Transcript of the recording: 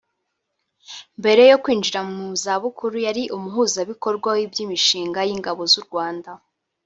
Mbere yo kwinjira mu zabukuru yari Umuhuzabikorwa w’iby’imishinga y’Ingabo z’U Rwanda